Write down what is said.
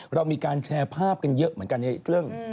เรามีการแชร์ภาพกันเยอะเหมือนกันในเรื่อง